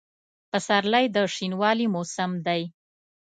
پسرلی د شنوالي موسم دی.